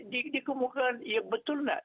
dikemukakan ya betul nggak